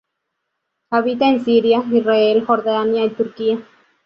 Habita en Siria, Israel, Jordania y Turquía.